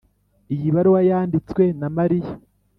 iyi baruwa yanditswe na mariya?